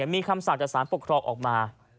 มีคำสั่งจากสารปกครองออกมา